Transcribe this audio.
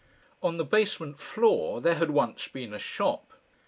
On the basement floor there had once been a shop.